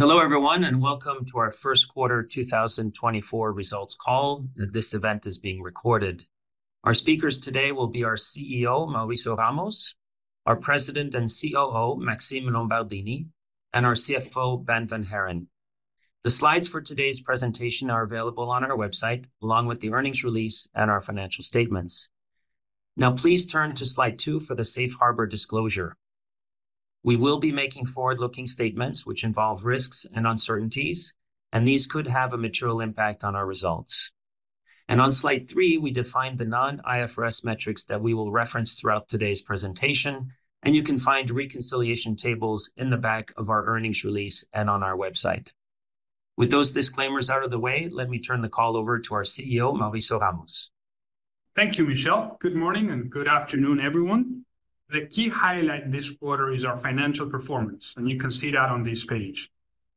Hello everyone and welcome to our first quarter 2024 results call. This event is being recorded. Our speakers today will be our CEO Mauricio Ramos, our President and COO Maxime Lombardini, and our CFO Bart Vanhaeren. The slides for today's presentation are available on our website along with the earnings release and our financial statements. Now please turn to slide 2 for the safe harbor disclosure. We will be making forward-looking statements which involve risks and uncertainties, and these could have a material impact on our results. On slide 3 we define the non-IFRS metrics that we will reference throughout today's presentation, and you can find reconciliation tables in the back of our earnings release and on our website. With those disclaimers out of the way, let me turn the call over to our CEO Mauricio Ramos. Thank you Michel. Good morning and good afternoon everyone. The key highlight this quarter is our financial performance, and you can see that on this page.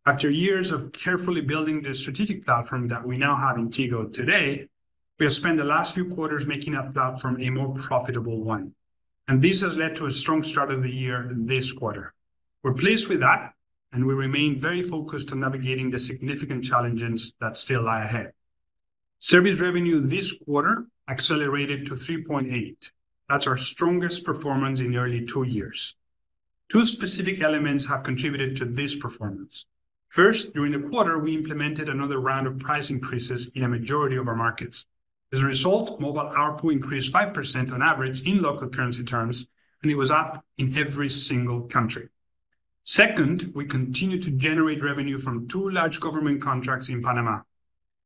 After years of carefully building the strategic platform that we now have in Tigo today, we have spent the last few quarters making that platform a more profitable one. This has led to a strong start of the year this quarter. We're pleased with that, and we remain very focused on navigating the significant challenges that still lie ahead. Service revenue this quarter accelerated to 3.8%. That's our strongest performance in nearly two years. Two specific elements have contributed to this performance. First, during the quarter we implemented another round of price increases in a majority of our markets. As a result, mobile ARPU increased 5% on average in local currency terms, and it was up in every single country. Second, we continue to generate revenue from two large government contracts in Panama.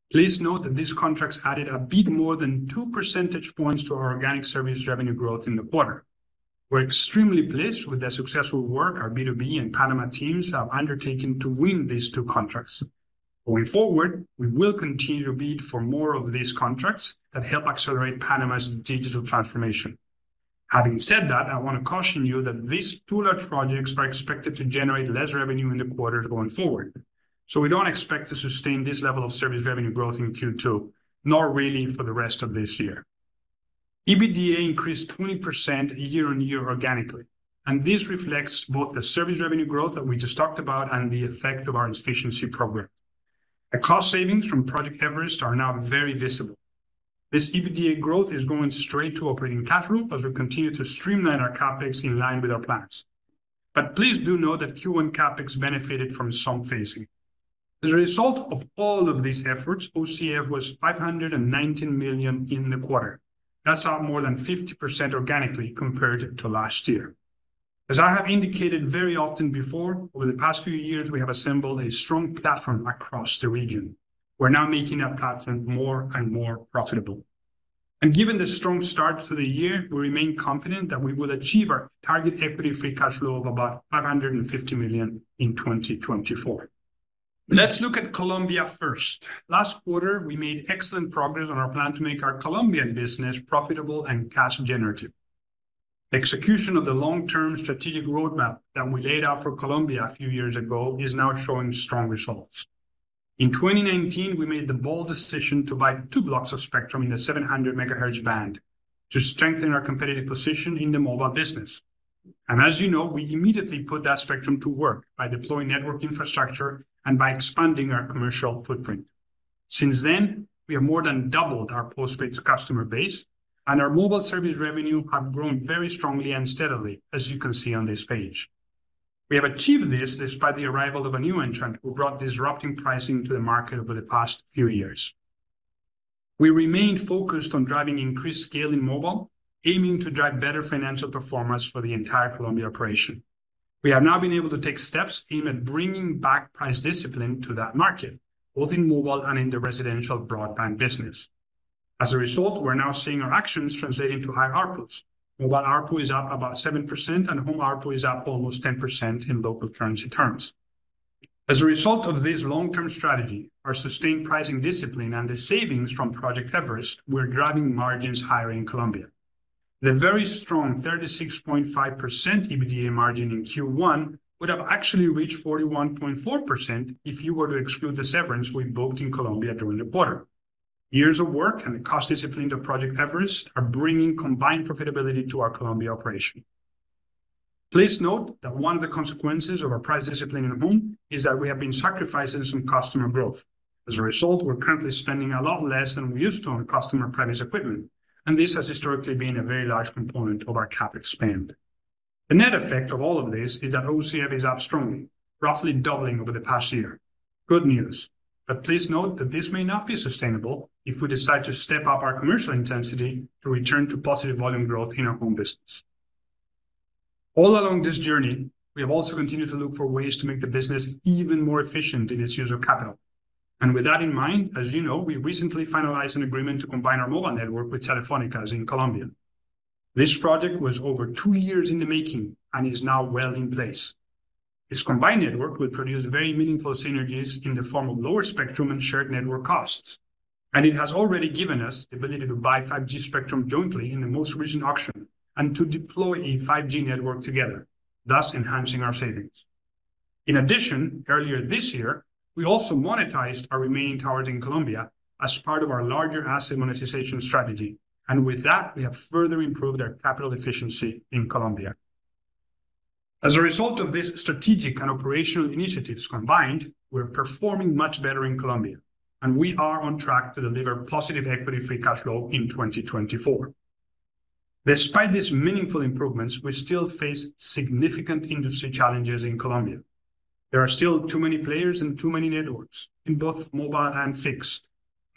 Please note that these contracts added a bit more than two percentage points to our organic service revenue growth in the quarter. We're extremely pleased with the successful work our B2B and Panama teams have undertaken to win these two contracts. Going forward, we will continue to bid for more of these contracts that help accelerate Panama's digital transformation. Having said that, I want to caution you that these two large projects are expected to generate less revenue in the quarters going forward. So we don't expect to sustain this level of service revenue growth in Q2, nor really for the rest of this year. EBITDA increased 20% year-over-year organically, and this reflects both the service revenue growth that we just talked about and the effect of our efficiency program. The cost savings from Project Everest are now very visible. This EBITDA growth is going straight to operating cash flow as we continue to streamline our CapEx in line with our plans. But please do note that Q1 CapEx benefited from some phasing. As a result of all of these efforts, OCF was $519 million in the quarter. That's up more than 50% organically compared to last year. As I have indicated very often before, over the past few years we have assembled a strong platform across the region. We're now making that platform more and more profitable. And given the strong start to the year, we remain confident that we will achieve our target Equity Free Cash Flow of about $550 million in 2024. Let's look at Colombia first. Last quarter we made excellent progress on our plan to make our Colombian business profitable and cash-generative. Execution of the long-term strategic roadmap that we laid out for Colombia a few years ago is now showing strong results. In 2019 we made the bold decision to buy two blocks of spectrum in the 700 MHz band to strengthen our competitive position in the mobile business. And as you know, we immediately put that spectrum to work by deploying network infrastructure and by expanding our commercial footprint. Since then we have more than doubled our post-paid customer base, and our mobile service revenue have grown very strongly and steadily, as you can see on this page. We have achieved this despite the arrival of a new entrant who brought disrupting pricing to the market over the past few years. We remain focused on driving increased scale in mobile, aiming to drive better financial performance for the entire Colombia operation. We have now been able to take steps aimed at bringing back price discipline to that market, both in mobile and in the residential broadband business. As a result, we're now seeing our actions translating to higher ARPUs. Mobile ARPU is up about 7%, and home ARPU is up almost 10% in local currency terms. As a result of this long-term strategy, our sustained pricing discipline and the savings from Project Everest were driving margins higher in Colombia. The very strong 36.5% EBITDA margin in Q1 would have actually reached 41.4% if you were to exclude the severance we booked in Colombia during the quarter. Years of work and the cost discipline of Project Everest are bringing combined profitability to our Colombia operation. Please note that one of the consequences of our price discipline in home is that we have been sacrificing some customer growth. As a result, we're currently spending a lot less than we used to on Customer Premise Equipment, and this has historically been a very large component of our CapEx spend. The net effect of all of this is that OCF is up strongly, roughly doubling over the past year. Good news. But please note that this may not be sustainable if we decide to step up our commercial intensity to return to positive volume growth in our home business. All along this journey we have also continued to look for ways to make the business even more efficient in its use of capital. And with that in mind, as you know, we recently finalized an agreement to combine our mobile network with Telefónica's in Colombia. This project was over 2 years in the making and is now well in place. Its combined network will produce very meaningful synergies in the form of lower spectrum and shared network costs. It has already given us the ability to buy 5G spectrum jointly in the most recent auction and to deploy a 5G network together, thus enhancing our savings. In addition, earlier this year we also monetized our remaining towers in Colombia as part of our larger asset monetization strategy, and with that we have further improved our capital efficiency in Colombia. As a result of this strategic and operational initiatives combined, we're performing much better in Colombia, and we are on track to deliver positive Equity Free Cash Flow in 2024. Despite these meaningful improvements, we still face significant industry challenges in Colombia. There are still too many players and too many networks in both mobile and fixed.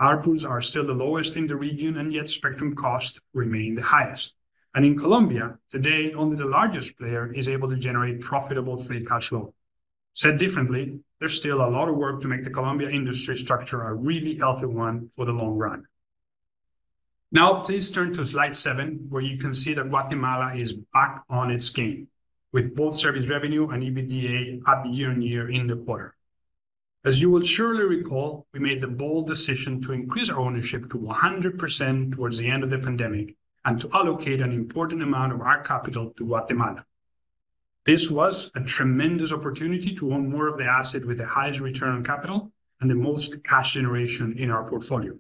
ARPUs are still the lowest in the region, and yet spectrum costs remain the highest. In Colombia today only the largest player is able to generate profitable free cash flow. Said differently, there's still a lot of work to make the Colombia industry structure a really healthy one for the long run. Now please turn to slide 7 where you can see that Guatemala is back on its game, with both service revenue and EBITDA up year-over-year in the quarter. As you will surely recall, we made the bold decision to increase our ownership to 100% towards the end of the pandemic and to allocate an important amount of our capital to Guatemala. This was a tremendous opportunity to own more of the asset with the highest return on capital and the most cash generation in our portfolio.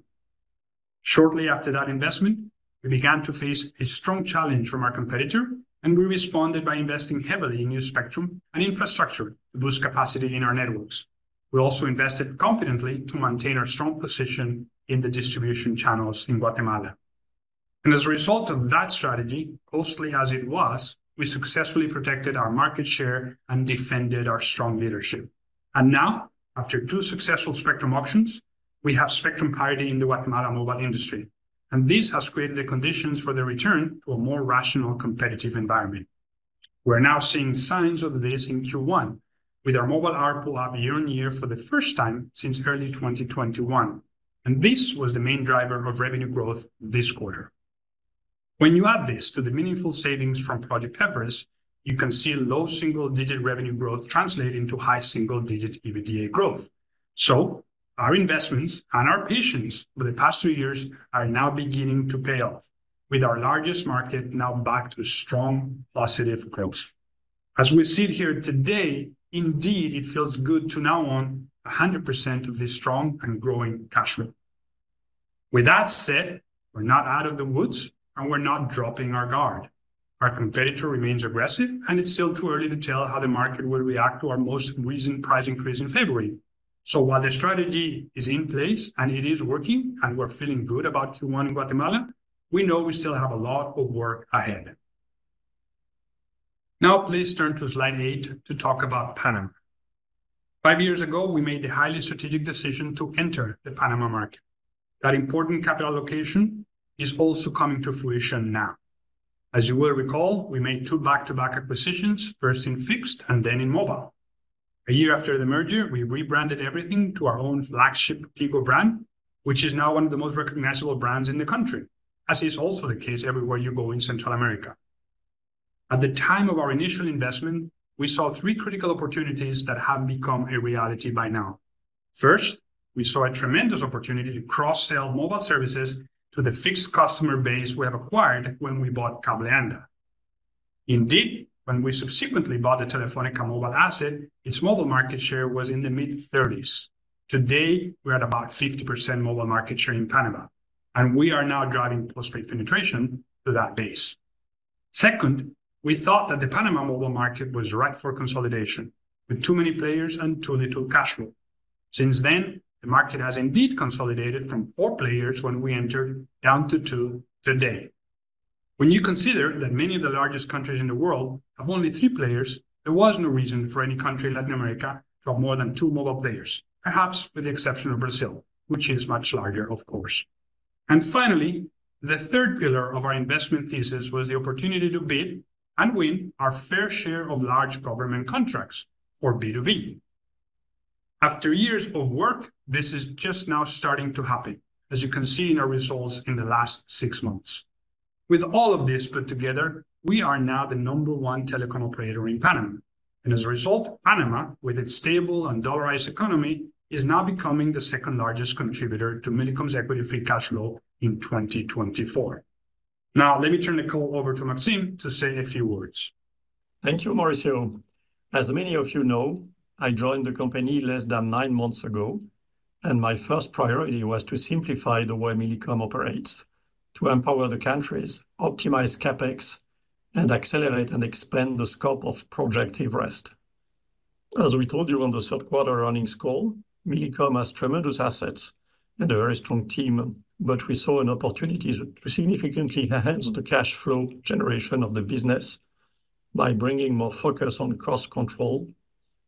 Shortly after that investment we began to face a strong challenge from our competitor, and we responded by investing heavily in new spectrum and infrastructure to boost capacity in our networks. We also invested confidently to maintain our strong position in the distribution channels in Guatemala. As a result of that strategy, costly as it was, we successfully protected our market share and defended our strong leadership. Now, after two successful spectrum auctions, we have spectrum parity in the Guatemala mobile industry, and this has created the conditions for the return to a more rational competitive environment. We're now seeing signs of this in Q1, with our mobile ARPU up year-over-year for the first time since early 2021, and this was the main driver of revenue growth this quarter. When you add this to the meaningful savings from Project Everest, you can see low single-digit revenue growth translate into high single-digit EBITDA growth. So our investments and our patience over the past two years are now beginning to pay off, with our largest market now back to strong positive growth. As we sit here today, indeed it feels good to now own 100% of this strong and growing cash flow. With that said, we're not out of the woods, and we're not dropping our guard. Our competitor remains aggressive, and it's still too early to tell how the market will react to our most recent price increase in February. So while the strategy is in place and it is working, and we're feeling good about Q1 in Guatemala, we know we still have a lot of work ahead. Now please turn to slide eight to talk about Panama. Five years ago we made the highly strategic decision to enter the Panama market. That important capital location is also coming to fruition now. As you will recall, we made two back-to-back acquisitions, first in fixed and then in mobile. A year after the merger we rebranded everything to our own flagship Tigo brand, which is now one of the most recognizable brands in the country, as is also the case everywhere you go in Central America. At the time of our initial investment we saw three critical opportunities that have become a reality by now. First, we saw a tremendous opportunity to cross-sell mobile services to the fixed customer base we have acquired when we bought Cable Onda. Indeed, when we subsequently bought the Telefónica mobile asset, its mobile market share was in the mid-30s. Today we're at about 50% mobile market share in Panama, and we are now driving postpaid penetration to that base. Second, we thought that the Panama mobile market was ripe for consolidation, with too many players and too little cash flow. Since then the market has indeed consolidated from four players when we entered down to two today. When you consider that many of the largest countries in the world have only three players, there was no reason for any country in Latin America to have more than two mobile players, perhaps with the exception of Brazil, which is much larger, of course. And finally, the third pillar of our investment thesis was the opportunity to bid and win our fair share of large government contracts for B2B. After years of work this is just now starting to happen, as you can see in our results in the last 6 months. With all of this put together we are now the number 1 telecom operator in Panama. As a result, Panama, with its stable and dollarized economy, is now becoming the second largest contributor to Millicom's Equity Free Cash Flow in 2024. Now let me turn the call over to Maxime to say a few words. Thank you, Mauricio. As many of you know, I joined the company less than nine months ago, and my first priority was to simplify the way Millicom operates, to empower the countries, optimize CapEx, and accelerate and expand the scope of Project Everest. As we told you on the third quarter earnings call, Millicom has tremendous assets and a very strong team, but we saw an opportunity to significantly enhance the cash flow generation of the business by bringing more focus on cost control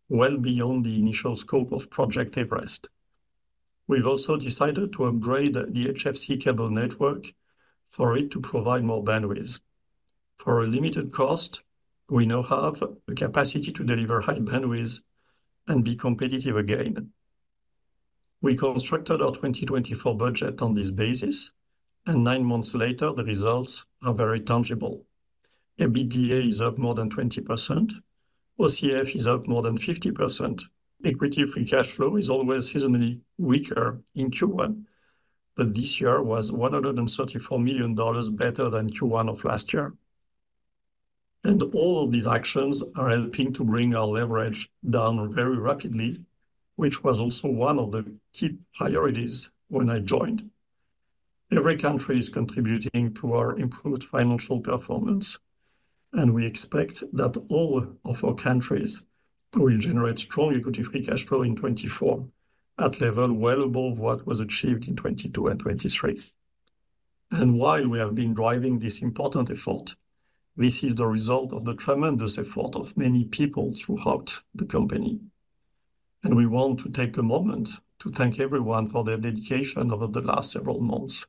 well beyond the initial scope of Project Everest. We've also decided to upgrade the HFC cable network for it to provide more bandwidth. For a limited cost we now have the capacity to deliver high bandwidth and be competitive again. We constructed our 2024 budget on this basis, and nine months later the results are very tangible. EBITDA is up more than 20%. OCF is up more than 50%. Equity Free Cash Flow is always seasonally weaker in Q1, but this year was $134 million better than Q1 of last year. All of these actions are helping to bring our leverage down very rapidly, which was also one of the key priorities when I joined. Every country is contributing to our improved financial performance, and we expect that all of our countries will generate strong Equity Free Cash Flow in 2024 at level well above what was achieved in 2022 and 2023. While we have been driving this important effort, this is the result of the tremendous effort of many people throughout the company. We want to take a moment to thank everyone for their dedication over the last several months.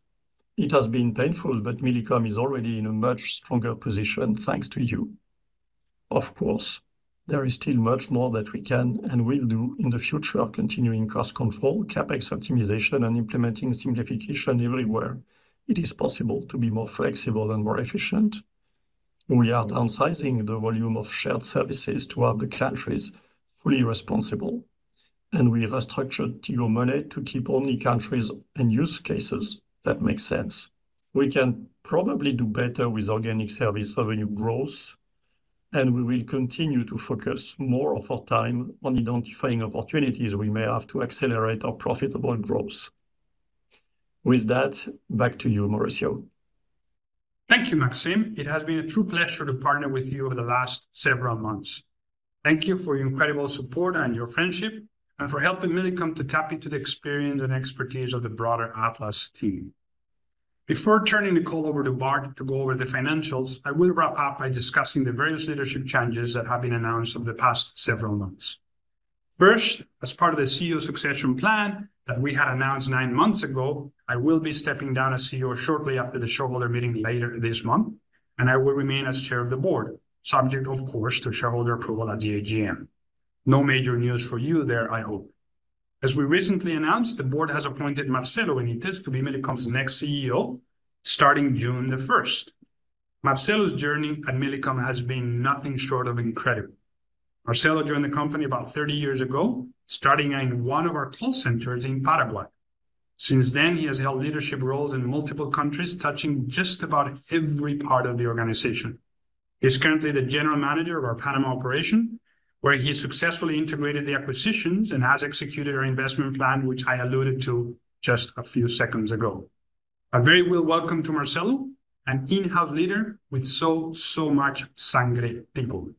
It has been painful, but Millicom is already in a much stronger position thanks to you. Of course, there is still much more that we can and will do in the future continuing cost control, CapEx optimization, and implementing simplification everywhere. It is possible to be more flexible and more efficient. We are downsizing the volume of shared services to have the countries fully responsible, and we restructured Tigo Money to keep only countries and use cases that make sense. We can probably do better with organic service revenue growth, and we will continue to focus more of our time on identifying opportunities we may have to accelerate our profitable growth. With that, back to you, Mauricio. Thank you, Maxime. It has been a true pleasure to partner with you over the last several months. Thank you for your incredible support and your friendship, and for helping Millicom to tap into the experience and expertise of the broader Atlas team. Before turning the call over to Bart to go over the financials, I will wrap up by discussing the various leadership changes that have been announced over the past several months. First, as part of the CEO succession plan that we had announced nine months ago, I will be stepping down as CEO shortly after the shareholder meeting later this month, and I will remain as chair of the board, subject, of course, to shareholder approval at the AGM. No major news for you there, I hope. As we recently announced, the board has appointed Marcelo Benitez to be Millicom's next CEO, starting June the first. Marcelo's journey at Millicom has been nothing short of incredible. Marcelo joined the company about 30 years ago, starting in one of our call centers in Paraguay. Since then he has held leadership roles in multiple countries touching just about every part of the organization. He's currently the general manager of our Panama operation, where he successfully integrated the acquisitions and has executed our investment plan, which I alluded to just a few seconds ago. A very warm welcome to Marcelo, an in-house leader with so, so much Sangre Tigo.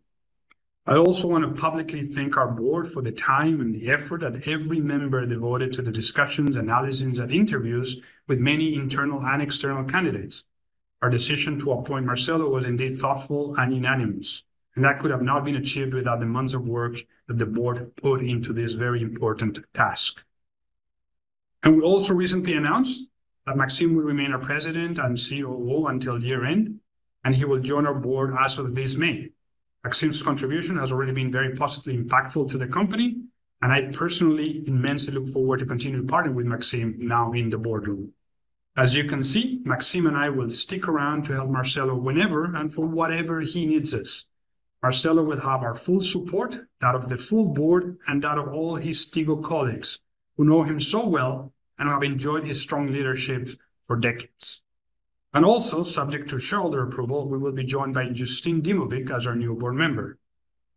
I also want to publicly thank our board for the time and the effort that every member devoted to the discussions, analyses, and interviews with many internal and external candidates. Our decision to appoint Marcelo was indeed thoughtful and unanimous, and that could have not been achieved without the months of work that the board put into this very important task. We also recently announced that Maxime will remain our President and COO until year end, and he will join our board as of this May. Maxime's contribution has already been very positively impactful to the company, and I personally immensely look forward to continuing to partner with Maxime now in the boardroom. As you can see, Maxime and I will stick around to help Marcelo whenever and for whatever he needs us. Marcelo will have our full support, that of the full board and that of all his Tigo colleagues, who know him so well and have enjoyed his strong leadership for decades. And also, subject to shareholder approval, we will be joined by Justine Dimovic as our new board member.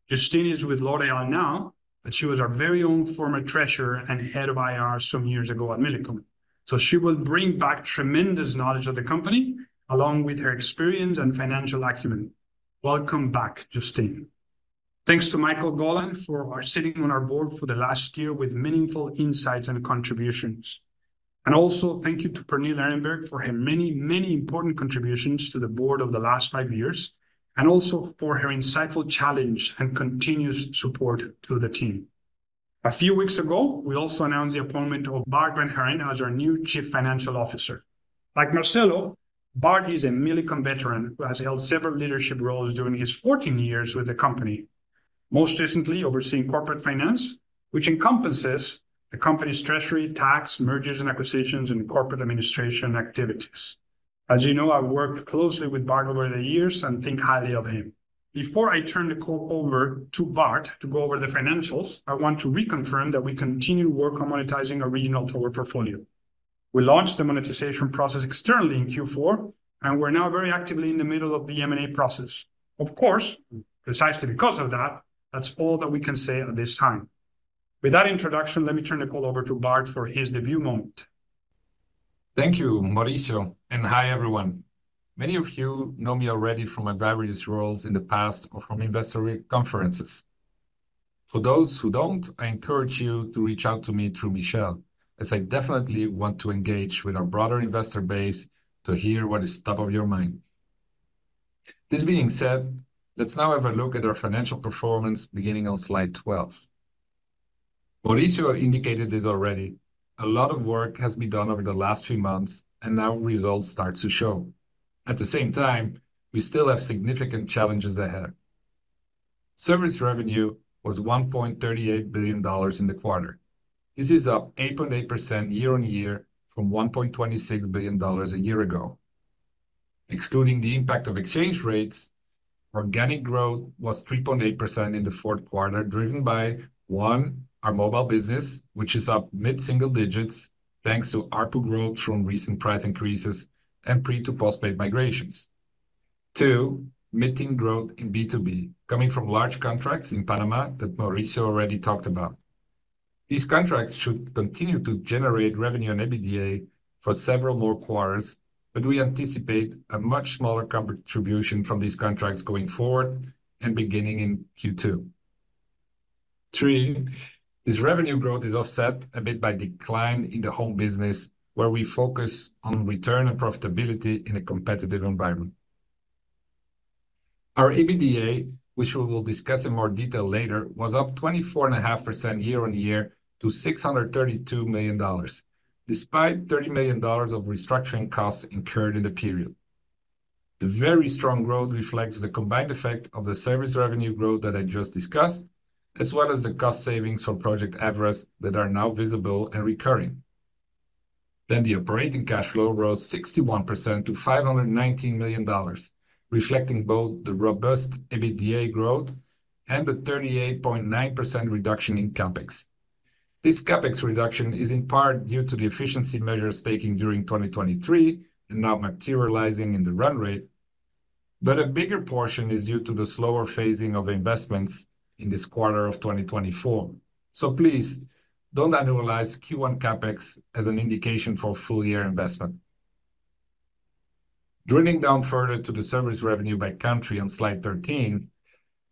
Justine is with L'Oréal now, but she was our very own former treasurer and head of IR some years ago at Millicom. So she will bring back tremendous knowledge of the company, along with her experience and financial acumen. Welcome back, Justine. Thanks to Michaël Golan for sitting on our board for the last year with meaningful insights and contributions. And also thank you to Pernille Erenbjerg for her many, many important contributions to the board over the last five years, and also for her insightful challenge and continuous support to the team. A few weeks ago we also announced the appointment of Bart Vanhaeren as our new Chief Financial Officer. Like Marcelo, Bart is a Millicom veteran who has held several leadership roles during his 14 years with the company, most recently overseeing corporate finance, which encompasses the company's treasury, tax, mergers and acquisitions, and corporate administration activities. As you know, I've worked closely with Bart over the years and think highly of him. Before I turn the call over to Bart to go over the financials, I want to reconfirm that we continue to work on monetizing our regional tower portfolio. We launched the monetization process externally in Q4, and we're now very actively in the middle of the M&A process. Of course, precisely because of that, that's all that we can say at this time. With that introduction, let me turn the call over to Bart for his debut moment. Thank you, Mauricio, and hi everyone. Many of you know me already from my various roles in the past or from investor conferences. For those who don't, I encourage you to reach out to me through Michel, as I definitely want to engage with our broader investor base to hear what is top of your mind. This being said, let's now have a look at our financial performance beginning on slide 12. Mauricio indicated this already. A lot of work has been done over the last few months, and now results start to show. At the same time, we still have significant challenges ahead. Service revenue was $1.38 billion in the quarter. This is up 8.8% year-on-year from $1.26 billion a year ago. Excluding the impact of exchange rates, organic growth was 3.8% in the fourth quarter driven by 1, our mobile business, which is up mid-single digits thanks to ARPU growth from recent price increases and pre-to-postpaid migrations. Two, modest growth in B2B, coming from large contracts in Panama that Mauricio already talked about. These contracts should continue to generate revenue and EBITDA for several more quarters, but we anticipate a much smaller contribution from these contracts going forward and beginning in Q2. Three, this revenue growth is offset a bit by decline in the home business where we focus on return and profitability in a competitive environment. Our EBITDA, which we will discuss in more detail later, was up 24.5% year-over-year to $632 million, despite $30 million of restructuring costs incurred in the period. The very strong growth reflects the combined effect of the service revenue growth that I just discussed, as well as the cost savings for Project Everest that are now visible and recurring. Then the operating cash flow rose 61% to $519 million, reflecting both the robust EBITDA growth and the 38.9% reduction in CapEx. This CapEx reduction is in part due to the efficiency measures taken during 2023 and not materializing in the run rate, but a bigger portion is due to the slower phasing of investments in this quarter of 2024. So please don't annualize Q1 CapEx as an indication for full-year investment. Drilling down further to the service revenue by country on slide 13,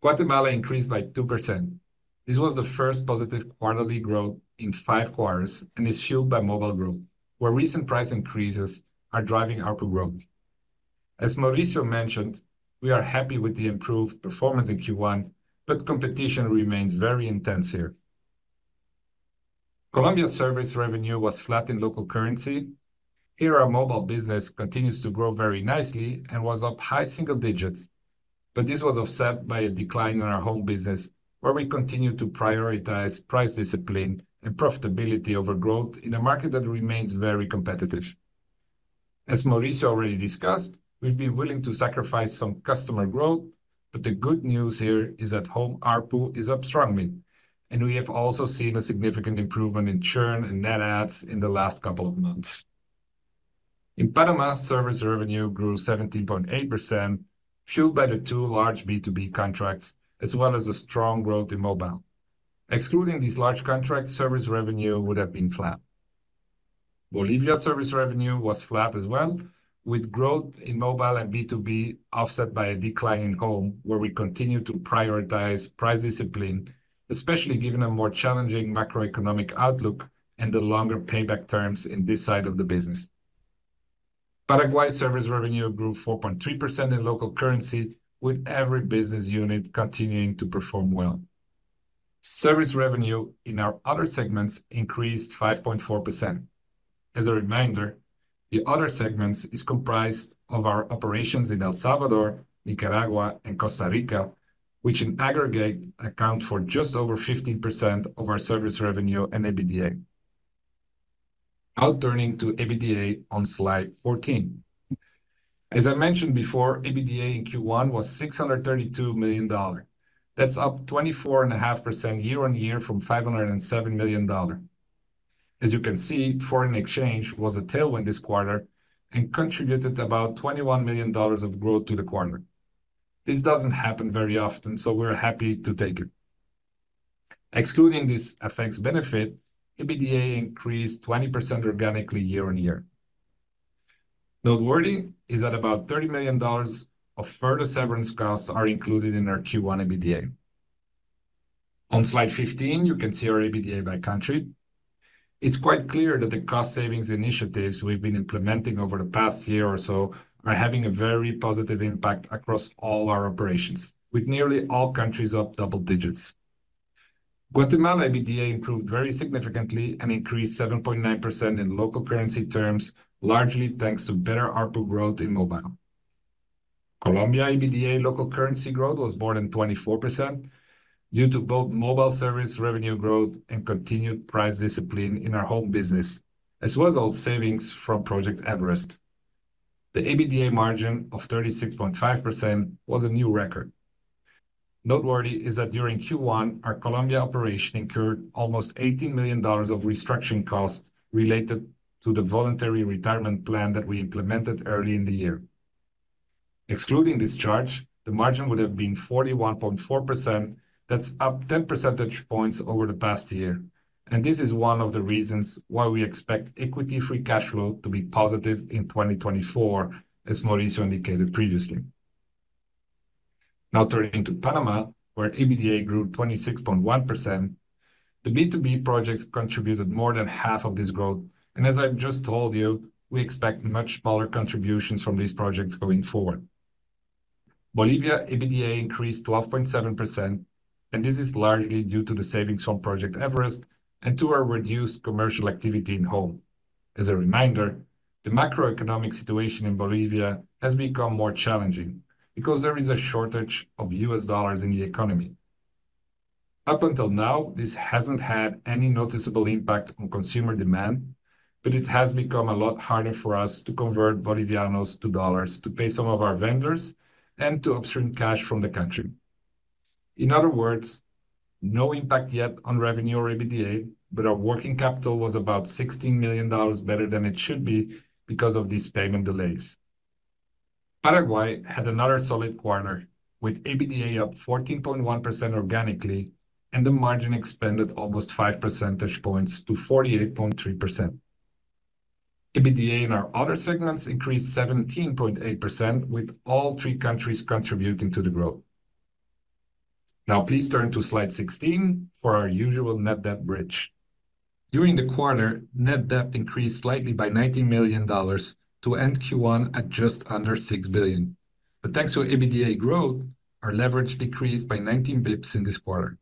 Guatemala increased by 2%. This was the first positive quarterly growth in five quarters and is fueled by mobile growth, where recent price increases are driving ARPU growth. As Mauricio mentioned, we are happy with the improved performance in Q1, but competition remains very intense here. Colombia's service revenue was flat in local currency. Here our mobile business continues to grow very nicely and was up high single digits, but this was offset by a decline in our home business where we continue to prioritize price discipline and profitability over growth in a market that remains very competitive. As Mauricio already discussed, we've been willing to sacrifice some customer growth, but the good news here is that home ARPU is up strongly, and we have also seen a significant improvement in churn and net adds in the last couple of months. In Panama, service revenue grew 17.8%, fueled by the two large B2B contracts, as well as a strong growth in mobile. Excluding these large contracts, service revenue would have been flat. Bolivia's service revenue was flat as well, with growth in mobile and B2B offset by a decline in home where we continue to prioritize price discipline, especially given a more challenging macroeconomic outlook and the longer payback terms in this side of the business. Paraguay's service revenue grew 4.3% in local currency, with every business unit continuing to perform well. Service revenue in our other segments increased 5.4%. As a reminder, the other segments are comprised of our operations in El Salvador, Nicaragua, and Costa Rica, which in aggregate account for just over 15% of our service revenue and EBITDA. Now turning to EBITDA on slide 14. As I mentioned before, EBITDA in Q1 was $632 million. That's up 24.5% year-on-year from $507 million. As you can see, foreign exchange was a tailwind this quarter and contributed about $21 million of growth to the quarter. This doesn't happen very often, so we're happy to take it. Excluding this FX benefit, EBITDA increased 20% organically year-on-year. Noteworthy is that about $30 million of further severance costs are included in our Q1 EBITDA. On slide 15, you can see our EBITDA by country. It's quite clear that the cost savings initiatives we've been implementing over the past year or so are having a very positive impact across all our operations, with nearly all countries up double digits. Guatemala EBITDA improved very significantly and increased 7.9% in local currency terms, largely thanks to better ARPU growth in mobile. Colombia EBITDA local currency growth was more than 24% due to both mobile service revenue growth and continued price discipline in our home business, as well as all savings from Project Everest. The EBITDA margin of 36.5% was a new record. Noteworthy is that during Q1 our Colombia operation incurred almost $18 million of restructuring costs related to the voluntary retirement plan that we implemented early in the year. Excluding this charge, the margin would have been 41.4%. That's up 10 percentage points over the past year, and this is one of the reasons why we expect Equity Free Cash Flow to be positive in 2024, as Mauricio indicated previously. Now turning to Panama, where EBITDA grew 26.1%. The B2B projects contributed more than half of this growth, and as I just told you, we expect much smaller contributions from these projects going forward. Bolivia EBITDA increased 12.7%, and this is largely due to the savings from Project Everest and to our reduced commercial activity in home. As a reminder, the macroeconomic situation in Bolivia has become more challenging because there is a shortage of US dollars in the economy. Up until now, this hasn't had any noticeable impact on consumer demand, but it has become a lot harder for us to convert bolivianos to dollars to pay some of our vendors and to upstream cash from the country. In other words, no impact yet on revenue or EBITDA, but our working capital was about $16 million better than it should be because of these payment delays. Paraguay had another solid quarter, with EBITDA up 14.1% organically, and the margin expanded almost five percentage points to 48.3%. EBITDA in our other segments increased 17.8%, with all three countries contributing to the growth. Now please turn to slide 16 for our usual net debt bridge. During the quarter, net debt increased slightly by $19 million to end Q1 at just under $6 billion. But thanks to EBITDA growth, our leverage decreased by 19 basis points in this quarter.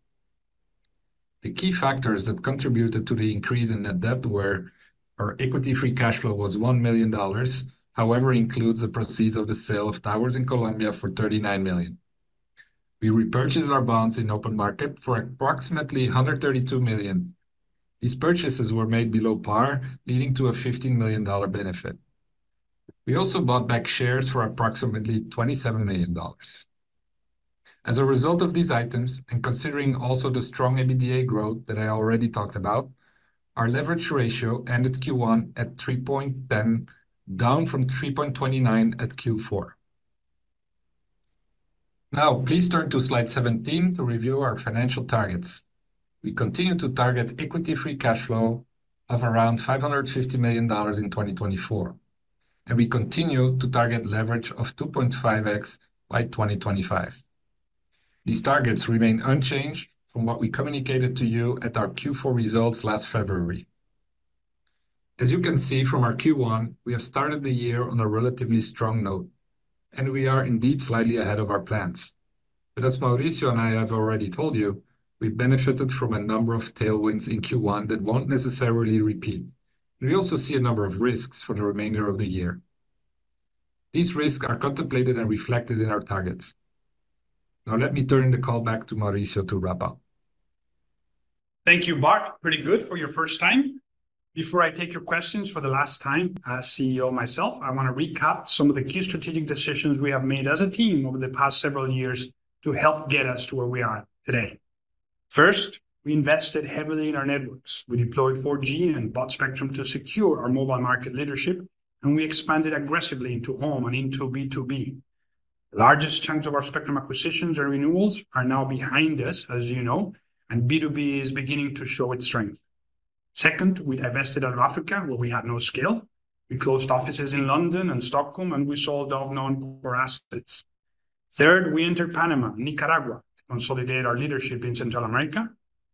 The key factors that contributed to the increase in net debt were: our Equity Free Cash Flow was $1 million, however includes the proceeds of the sale of towers in Colombia for $39 million. We repurchased our bonds in open market for approximately $132 million. These purchases were made below par, leading to a $15 million benefit. We also bought back shares for approximately $27 million. As a result of these items, and considering also the strong EBITDA growth that I already talked about, our leverage ratio ended Q1 at 3.10, down from 3.29 at Q4. Now please turn to slide 17 to review our financial targets. We continue to target Equity Free Cash Flow of around $550 million in 2024, and we continue to target leverage of 2.5x by 2025. These targets remain unchanged from what we communicated to you at our Q4 results last February. As you can see from our Q1, we have started the year on a relatively strong note, and we are indeed slightly ahead of our plans. But as Mauricio and I have already told you, we benefited from a number of tailwinds in Q1 that won't necessarily repeat, and we also see a number of risks for the remainder of the year. These risks are contemplated and reflected in our targets. Now let me turn the call back to Mauricio to wrap up. Thank you, Bart. Pretty good for your first time. Before I take your questions for the last time as CEO myself, I want to recap some of the key strategic decisions we have made as a team over the past several years to help get us to where we are today. First, we invested heavily in our networks. We deployed 4G and bought spectrum to secure our mobile market leadership, and we expanded aggressively into home and into B2B. The largest chunks of our spectrum acquisitions and renewals are now behind us, as you know, and B2B is beginning to show its strength. Second, we invested in Africa where we had no scale. We closed offices in London and Stockholm, and we sold off non-core assets. Third, we entered Panama, Nicaragua, to consolidate our leadership in Central America.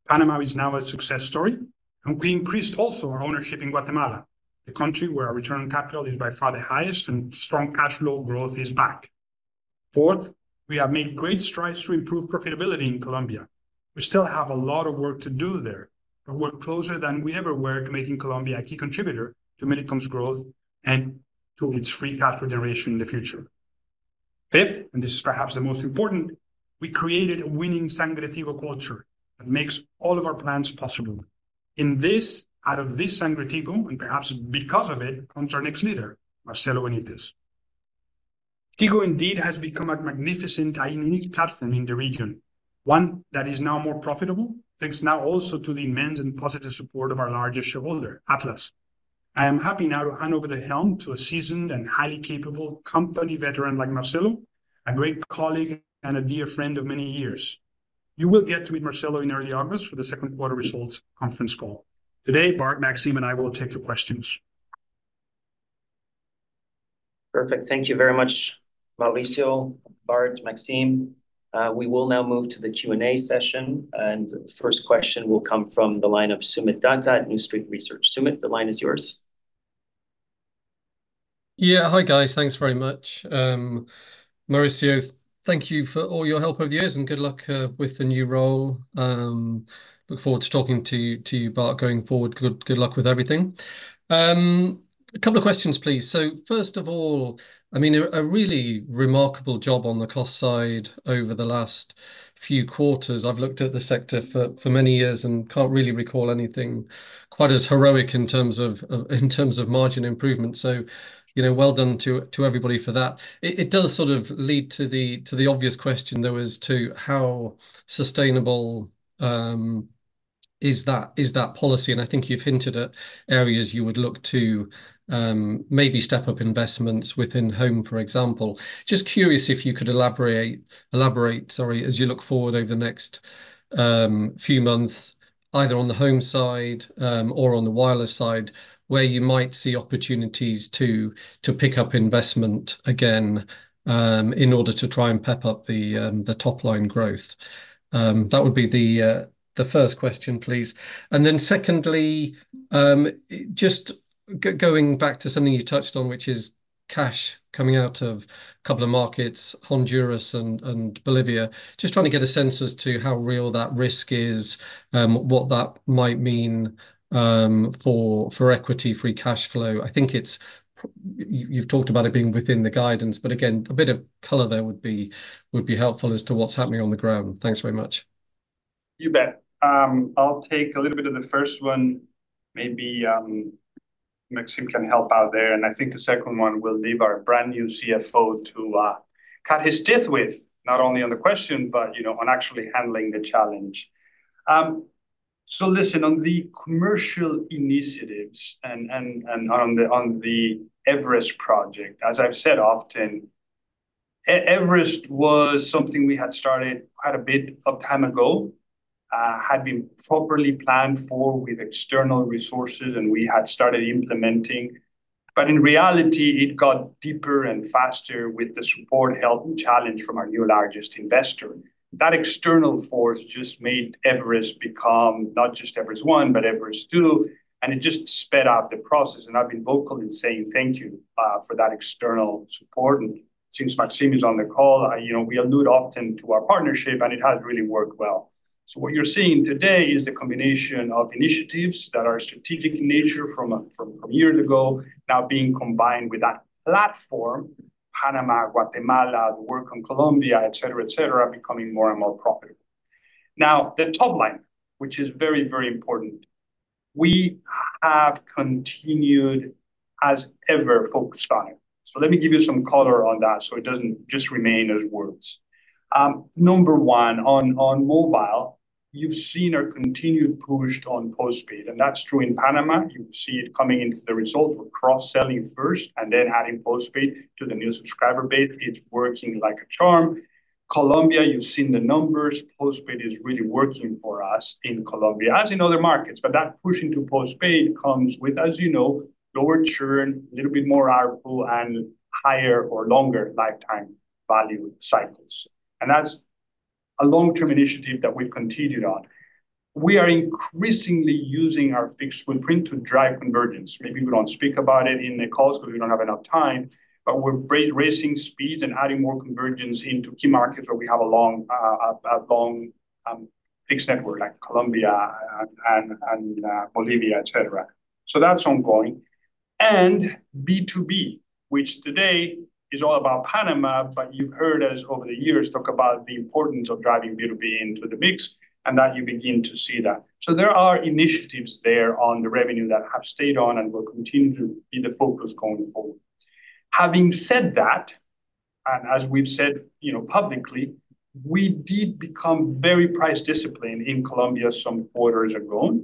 Panama is now a success story, and we increased also our ownership in Guatemala, the country where our return on capital is by far the highest and strong cash flow growth is back. Fourth, we have made great strides to improve profitability in Colombia. We still have a lot of work to do there, but we're closer than we ever were to making Colombia a key contributor to Millicom's growth and to its free cash generation in the future. Fifth, and this is perhaps the most important, we created a winning Sangre Tigo culture that makes all of our plans possible. In this, out of this Sangre Tigo, and perhaps because of it, comes our next leader, Marcelo Benitez. Tigo, indeed has become a magnificent and unique platform in the region, one that is now more profitable thanks now also to the immense and positive support of our largest shareholder, Atlas. I am happy now to hand over the helm to a seasoned and highly capable company veteran like Marcelo, a great colleague and a dear friend of many years. You will get to meet Marcelo in early August for the second quarter results conference call. Today, Bart, Maxime, and I will take your questions. Perfect. Thank you very much, Mauricio, Bart, Maxime. We will now move to the Q&A session, and the first question will come from the line of Soomit Datta at New Street Research. Soomit, the line is yours. Yeah, hi guys. Thanks very much. Mauricio, thank you for all your help over the years and good luck with the new role. Look forward to talking to you, Bart, going forward. Good luck with everything. A couple of questions, please. So first of all, I mean, a really remarkable job on the cost side over the last few quarters. I've looked at the sector for many years and can't really recall anything quite as heroic in terms of margin improvement. So, you know, well done to everybody for that. It does sort of lead to the obvious question there was to how sustainable is that policy? And I think you've hinted at areas you would look to maybe step up investments within home, for example. Just curious if you could elaborate, sorry, as you look forward over the next few months, either on the home side or on the wireless side, where you might see opportunities to pick up investment again in order to try and pep up the top-line growth. That would be the first question, please. And then secondly, just going back to something you touched on, which is cash coming out of a couple of markets, Honduras and Bolivia, just trying to get a sense as to how real that risk is, what that might mean for Equity Free Cash Flow. I think you've talked about it being within the guidance, but again, a bit of color there would be helpful as to what's happening on the ground. Thanks very much. You bet. I'll take a little bit of the first one. Maybe Maxime can help out there. And I think the second one will leave our brand new CFO to cut his teeth with, not only on the question, but, you know, on actually handling the challenge. So listen, on the commercial initiatives and on the Everest project, as I've said often, Everest was something we had started quite a bit of time ago. Had been properly planned for with external resources, and we had started implementing. But in reality, it got deeper and faster with the support, help, and challenge from our new largest investor. That external force just made Everest become not just Everest One, but Everest Two, and it just sped up the process. And I've been vocal in saying thank you for that external support. And since Maxime is on the call, you know, we allude often to our partnership, and it has really worked well. So what you're seeing today is the combination of initiatives that are strategic in nature from years ago, now being combined with that platform, Panama, Guatemala, the work on Colombia, etc., etc., becoming more and more profitable. Now the top line, which is very, very important. We have continued as ever focused on it. So let me give you some color on that so it doesn't just remain as words. Number one, on mobile, you've seen our continued push on Postpaid, and that's true in Panama. You see it coming into the results. We're cross-selling first and then adding postpaid to the new subscriber base. It's working like a charm. Colombia, you've seen the numbers. Postpaid is really working for us in Colombia, as in other markets. But that push into Postpaid comes with, as you know, lower churn, a little bit more ARPU, and higher or longer lifetime value cycles. And that's a long-term initiative that we've continued on. We are increasingly using our fixed footprint to drive convergence. Maybe we don't speak about it in the calls because we don't have enough time, but we're racing speeds and adding more convergence into key markets where we have a long fixed network, like Colombia and Bolivia, etc. So that's ongoing. And B2B, which today is all about Panama, but you've heard us over the years talk about the importance of driving B2B into the mix and that you begin to see that. So there are initiatives there on the revenue that have stayed on and will continue to be the focus going forward. Having said that, and as we've said, you know, publicly, we did become very price disciplined in Colombia some quarters ago.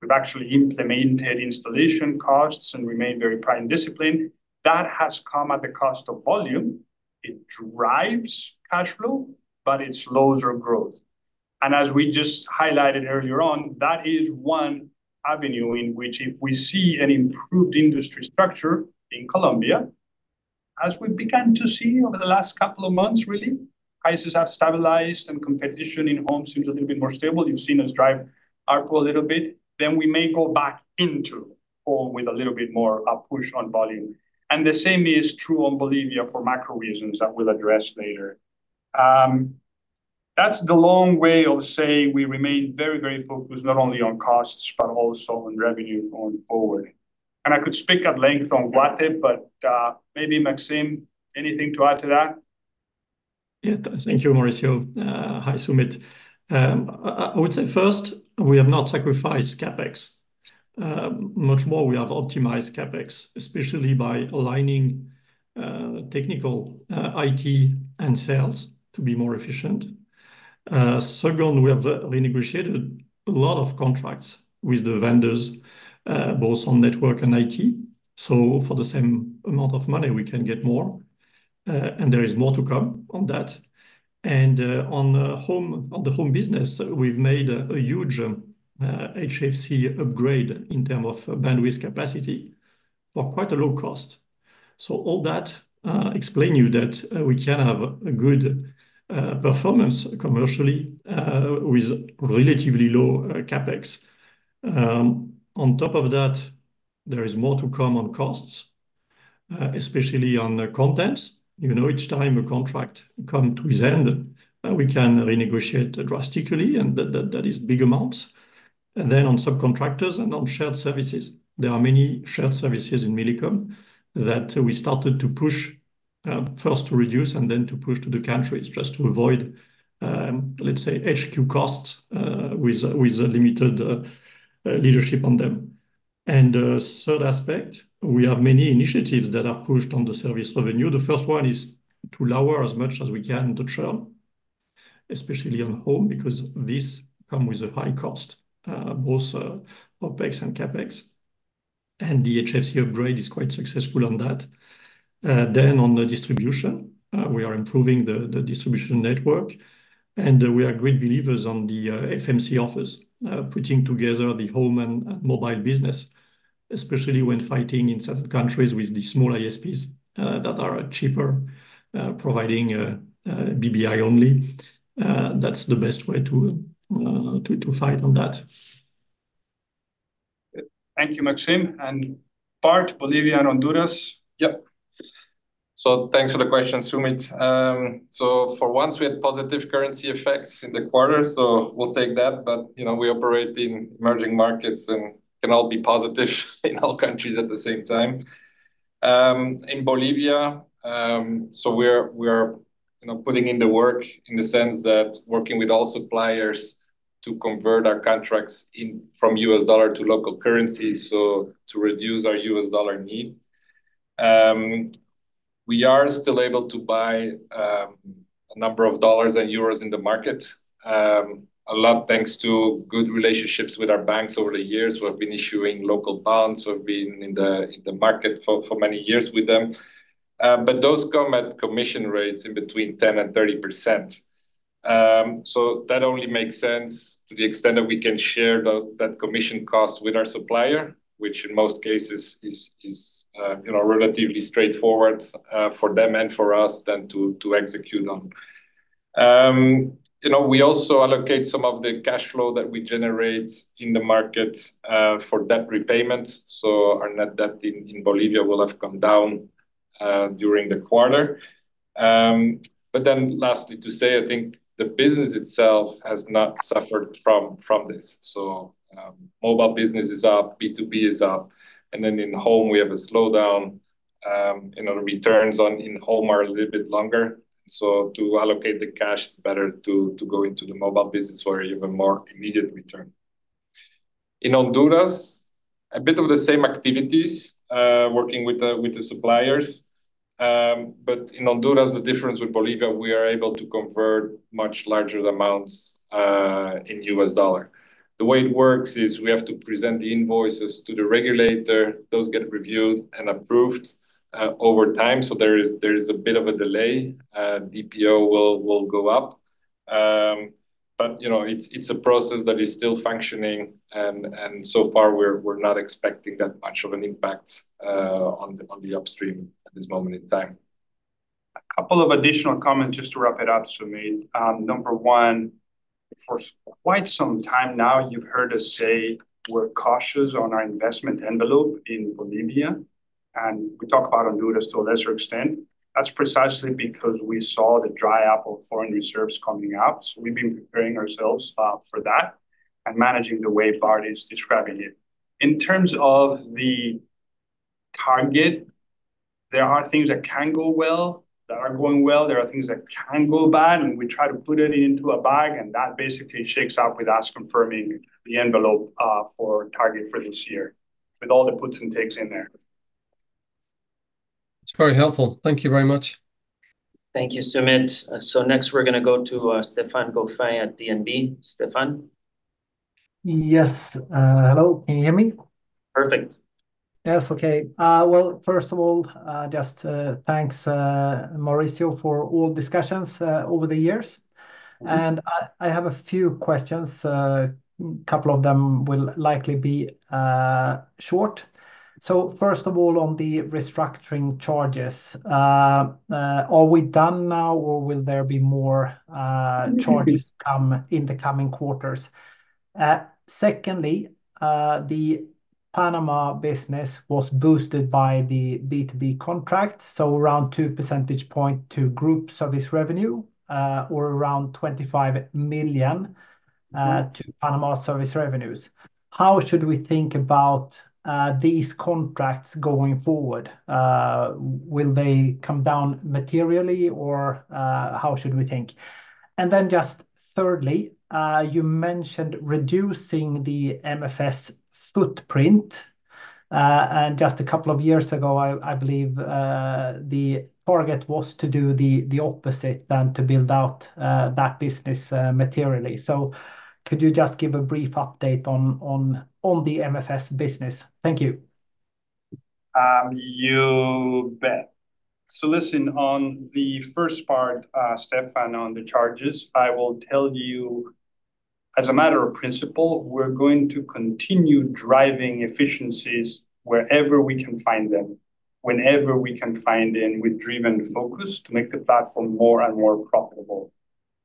We've actually implemented installation costs and remained very price disciplined. That has come at the cost of volume. It drives cash flow, but it slows our growth. And as we just highlighted earlier on, that is one avenue in which if we see an improved industry structure in Colombia, as we've begun to see over the last couple of months, really, prices have stabilized and competition in home seems a little bit more stable. You've seen us drive ARPU a little bit. Then we may go back into home with a little bit more push on volume. And the same is true on Bolivia for macro reasons that we'll address later. That's the long way of saying we remain very, very focused not only on costs, but also on revenue going forward. I could speak at length on Guatemala, but maybe, Maxime, anything to add to that? Yeah, thank you, Mauricio. Hi, Soomit. I would say first, we have not sacrificed CapEx. Much more, we have optimized CapEx, especially by aligning technical IT and sales to be more efficient. Second, we have renegotiated a lot of contracts with the vendors, both on network and IT. So for the same amount of money, we can get more. And there is more to come on that. And on the home business, we've made a huge HFC upgrade in terms of bandwidth capacity for quite a low cost. So all that explains to you that we can have a good performance commercially with relatively low CapEx. On top of that, there is more to come on costs, especially on contents. You know, each time a contract comes to its end, we can renegotiate drastically, and that is big amounts. And then on subcontractors and on shared services. There are many shared services in Millicom that we started to push first to reduce and then to push to the countries just to avoid, let's say, HQ costs with limited leadership on them. And third aspect, we have many initiatives that are pushed on the service revenue. The first one is to lower as much as we can the churn, especially on home, because this comes with a high cost, both OpEx and CapEx. And the HFC upgrade is quite successful on that. Then on the distribution, we are improving the distribution network. And we are great believers in the FMC offers, putting together the home and mobile business, especially when fighting in certain countries with the small ISPs that are cheaper, providing BBI only. That's the best way to fight on that. Thank you, Maxime. And Bart, Bolivia and Honduras. Yep. So thanks for the question, Sumit. So for once, we had positive currency effects in the quarter, so we'll take that. But, you know, we operate in emerging markets and can all be positive in all countries at the same time. In Bolivia, so we're putting in the work in the sense that working with all suppliers to convert our contracts from US dollar to local currency so to reduce our US dollar need. We are still able to buy a number of dollars and euros in the market, a lot thanks to good relationships with our banks over the years. We've been issuing local bonds. We've been in the market for many years with them. But those come at commission rates between 10%-30%. So that only makes sense to the extent that we can share that commission cost with our supplier, which in most cases is relatively straightforward for them and for us then to execute on. You know, we also allocate some of the cash flow that we generate in the market for debt repayment. So our net debt in Bolivia will have come down during the quarter. But then lastly to say, I think the business itself has not suffered from this. So mobile business is up, B2B is up. And then in home, we have a slowdown. You know, the returns in home are a little bit longer. So to allocate the cash, it's better to go into the mobile business for even more immediate return. In Honduras, a bit of the same activities, working with the suppliers. But in Honduras, the difference with Bolivia, we are able to convert much larger amounts in U.S. dollar. The way it works is we have to present the invoices to the regulator. Those get reviewed and approved over time. So there is a bit of a delay. DPO will go up. But, you know, it's a process that is still functioning. And so far, we're not expecting that much of an impact on the upstream at this moment in time. A couple of additional comments just to wrap it up, Soomit. Number one, for quite some time now, you've heard us say we're cautious on our investment envelope in Bolivia. And we talk about Honduras to a lesser extent. That's precisely because we saw the dry-up of foreign reserves coming out. So we've been preparing ourselves for that and managing the way Bart is describing it. In terms of the target, there are things that can go well that are going well. There are things that can go bad, and we try to put it into a bag, and that basically shakes out with us confirming the envelope for target for this year with all the puts and takes in there. That's very helpful. Thank you very much. Thank you, Soomit. So next, we're going to go to Stefan Gauffin at DNB. Stefan. Yes. Hello. Can you hear me? Perfect. Yes, okay. Well, first of all, just thanks, Mauricio, for all discussions over the years. And I have a few questions. A couple of them will likely be short. So first of all, on the restructuring charges, are we done now, or will there be more charges come in the coming quarters? Secondly, the Panama business was boosted by the B2B contract, so around 2 percentage points to group service revenue or around $25 million to Panama service revenues. How should we think about these contracts going forward? Will they come down materially, or how should we think? And then just thirdly, you mentioned reducing the MFS footprint. And just a couple of years ago, I believe the target was to do the opposite than to build out that business materially. So could you just give a brief update on the MFS business? Thank you. You bet. So listen, on the first part, Stefan, on the charges, I will tell you, as a matter of principle, we're going to continue driving efficiencies wherever we can find them, whenever we can find them with driven focus to make the platform more and more profitable.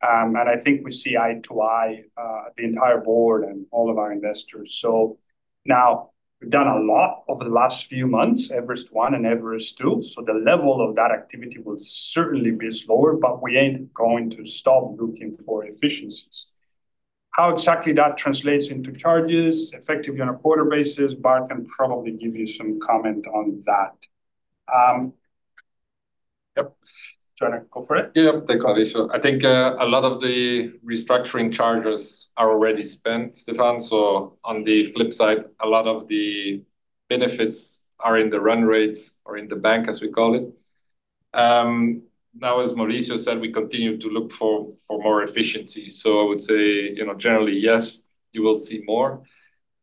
And I think we see eye to eye with the entire board and all of our investors. So now we've done a lot over the last few months, Everest One and Everest Two. So the level of that activity will certainly be slower, but we ain't going to stop looking for efficiencies. How exactly that translates into charges effectively on a quarterly basis, Bart can probably give you some comment on that. Yep. Trying to go for it. Yeah, thank you, Mauricio. I think a lot of the restructuring charges are already spent, Stefan. So on the flip side, a lot of the benefits are in the run rates or in the bank, as we call it. Now, as Mauricio said, we continue to look for more efficiencies. So I would say, generally, yes, you will see more.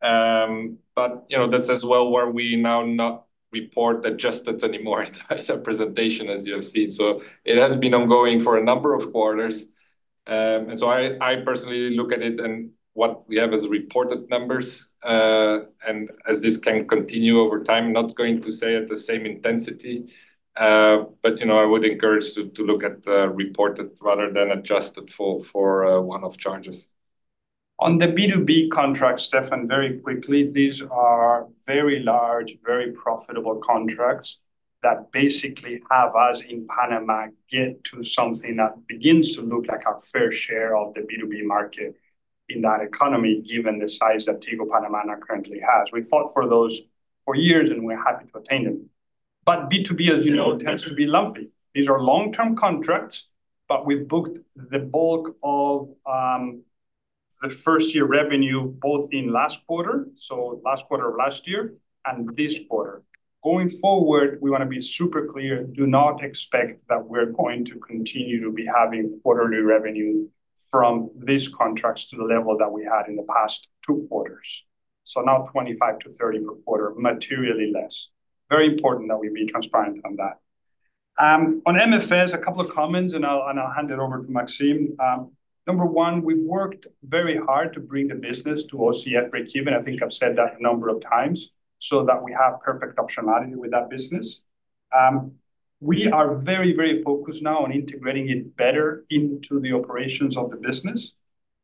But that's as well where we now not report adjustments anymore in the presentation, as you have seen. So it has been ongoing for a number of quarters. And so I personally look at it and what we have as reported numbers. And as this can continue over time, not going to say at the same intensity. But I would encourage to look at reported rather than adjusted for one of charges. On the B2B contract, Stefan, very quickly, these are very large, very profitable contracts that basically have us in Panama get to something that begins to look like our fair share of the B2B market in that economy, given the size that Tigo Panama currently has. We fought for those for years, and we're happy to attain them. But B2B, as you know, tends to be lumpy. These are long-term contracts. But we booked the bulk of the first-year revenue, both in last quarter, so last quarter of last year, and this quarter. Going forward, we want to be super clear. Do not expect that we're going to continue to be having quarterly revenue from these contracts to the level that we had in the past two quarters. So now $25-$30 per quarter, materially less. Very important that we be transparent on that. On MFS, a couple of comments, and I'll hand it over to Maxime. Number one, we've worked very hard to bring the business to OCF breakeven. I think I've said that a number of times so that we have perfect optionality with that business. We are very, very focused now on integrating it better into the operations of the business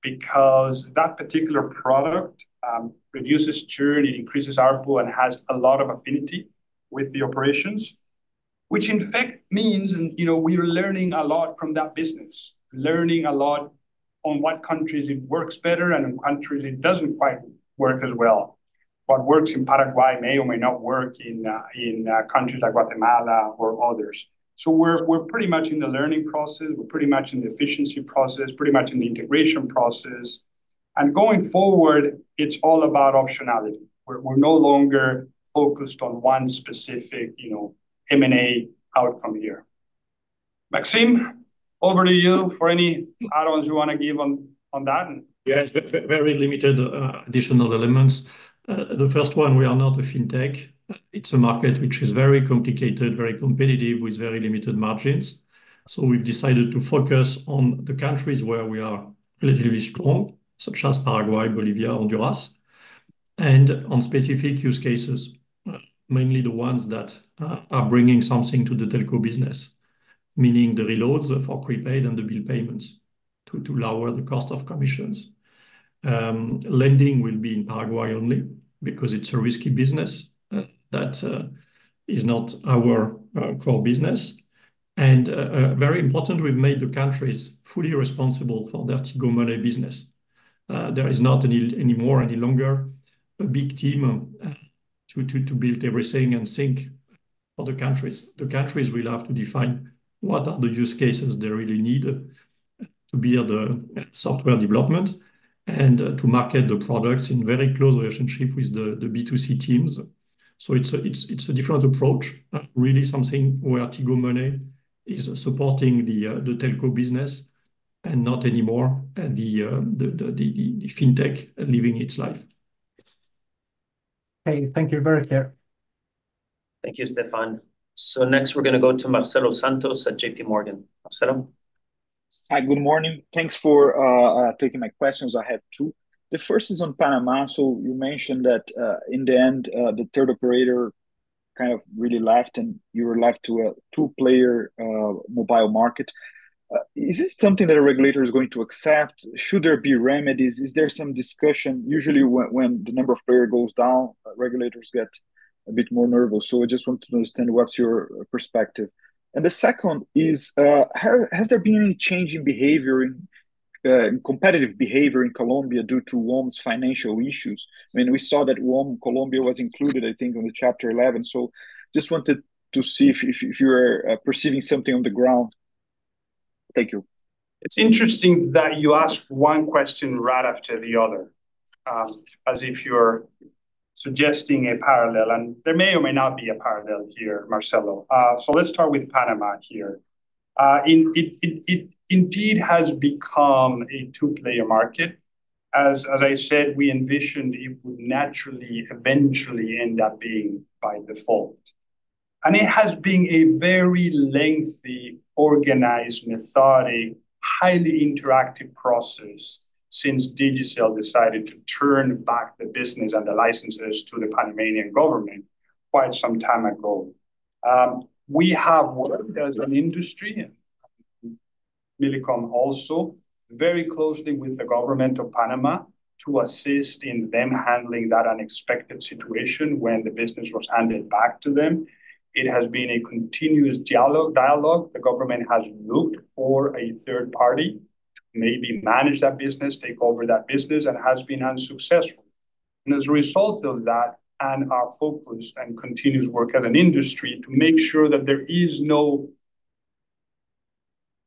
because that particular product reduces churn, it increases ARPU, and has a lot of affinity with the operations, which, in fact, means, and we're learning a lot from that business, learning a lot on what countries it works better and in countries it doesn't quite work as well. What works in Paraguay may or may not work in countries like Guatemala or others. So we're pretty much in the learning process. We're pretty much in the efficiency process, pretty much in the integration process. Going forward, it's all about optionality. We're no longer focused on one specific M&A outcome here. Maxime, over to you for any add-ons you want to give on that. Yes, very limited additional elements. The first one, we are not a fintech. It's a market which is very complicated, very competitive, with very limited margins. So we've decided to focus on the countries where we are relatively strong, such as Paraguay, Bolivia, Honduras, and on specific use cases, mainly the ones that are bringing something to the telco business, meaning the reloads for prepaid and the bill payments to lower the cost of commissions. Lending will be in Paraguay only because it's a risky business that is not our core business. And very important, we've made the countries fully responsible for their Tigo Money business. There is not anymore, any longer, a big team to build everything and sync for the countries. The countries will have to define what are the use cases they really need to build software development and to market the products in very close relationship with the B2C teams. It's a different approach, really something where Tigo Money is supporting the telco business and not anymore the fintech living its life. Okay, thank you. Very clear. Thank you, Stefan. So next, we're going to go to Marcelo Santos at J.P. Morgan. Marcelo. Hi, good morning. Thanks for taking my questions. I have two. The first is on Panama. So you mentioned that in the end, the third operator kind of really left, and you were left to a two-player mobile market. Is this something that a regulator is going to accept? Should there be remedies? Is there some discussion? Usually, when the number of players goes down, regulators get a bit more nervous. So I just want to understand what's your perspective. And the second is, has there been any change in behavior, in competitive behavior in Colombia due to WOM's financial issues? I mean, we saw that WOM Colombia was included, I think, in the Chapter 11. So just wanted to see if you were perceiving something on the ground. Thank you. It's interesting that you ask one question right after the other, as if you're suggesting a parallel. And there may or may not be a parallel here, Marcelo. So let's start with Panama here. It indeed has become a two-player market. As I said, we envisioned it would naturally, eventually end up being by default. And it has been a very lengthy, organized, methodic, highly interactive process since Digicel decided to turn back the business and the licenses to the Panamanian government quite some time ago. We have worked as an industry and Millicom also very closely with the government of Panama to assist in them handling that unexpected situation when the business was handed back to them. It has been a continuous dialogue. The government has looked for a third party to maybe manage that business, take over that business, and has been unsuccessful. As a result of that, and our focused and continuous work as an industry to make sure that there is no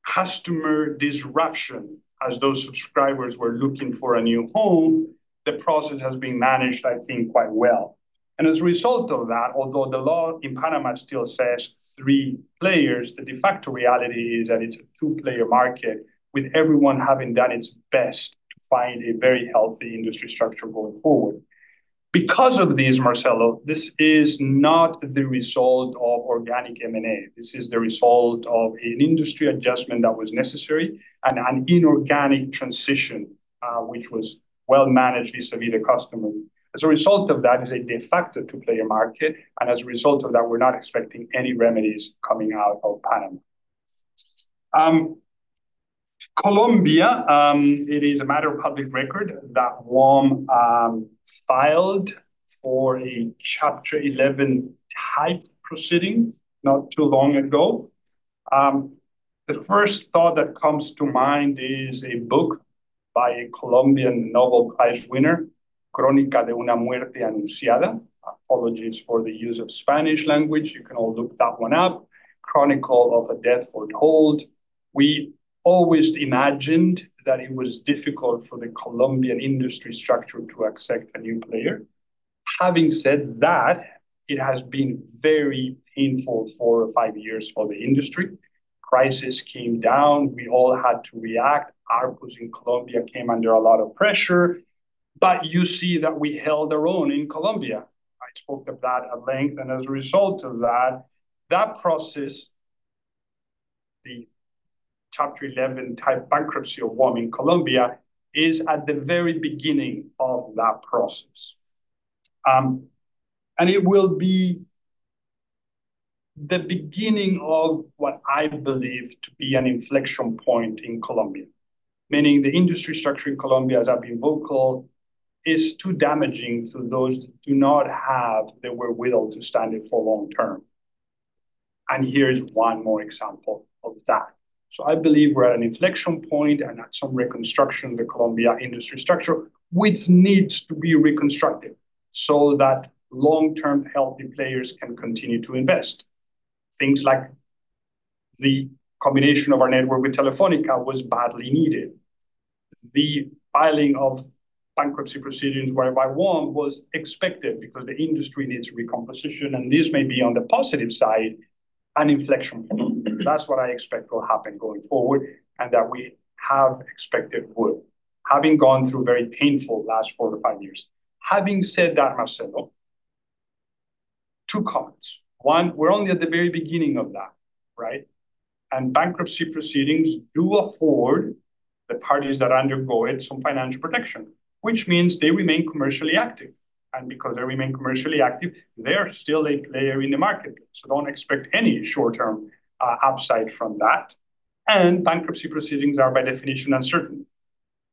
customer disruption, as those subscribers were looking for a new home, the process has been managed, I think, quite well. As a result of that, although the law in Panama still says three players, the de facto reality is that it's a two-player market with everyone having done its best to find a very healthy industry structure going forward. Because of this, Marcelo, this is not the result of organic M&A. This is the result of an industry adjustment that was necessary and an inorganic transition, which was well managed vis-à-vis the customer. As a result of that, it is a de facto two-player market. As a result of that, we're not expecting any remedies coming out of Panama. Colombia, it is a matter of public record that WOM filed for a Chapter 11 type proceeding not too long ago. The first thought that comes to mind is a book by a Colombian Nobel Prize winner, Crónica de una muerte anunciada. Apologies for the use of Spanish language. You can all look that one up, Chronicle of a Death Foretold. We always imagined that it was difficult for the Colombian industry structure to accept a new player. Having said that, it has been very painful for five years for the industry. Crisis came down. We all had to react. ARPUs in Colombia came under a lot of pressure. But you see that we held our own in Colombia. I spoke of that at length. And as a result of that, that process, the Chapter 11 type bankruptcy of WOM in Colombia, is at the very beginning of that process. And it will be the beginning of what I believe to be an inflection point in Colombia, meaning the industry structure in Colombia, as I've been vocal, is too damaging to those that do not have the will to stand it for long term. And here is one more example of that. So I believe we're at an inflection point and at some reconstruction of the Colombia industry structure, which needs to be reconstructed so that long-term, healthy players can continue to invest. Things like the combination of our network with Telefónica was badly needed. The filing of bankruptcy proceedings by WOM was expected because the industry needs recomposition. And this may be on the positive side, an inflection point. That's what I expect will happen going forward and that we have expected would, having gone through very painful last 4-5 years. Having said that, Marcelo, two comments. One, we're only at the very beginning of that, right? And bankruptcy proceedings do afford the parties that undergo it some financial protection, which means they remain commercially active. And because they remain commercially active, they are still a player in the marketplace. So don't expect any short-term upside from that. And bankruptcy proceedings are, by definition, uncertain.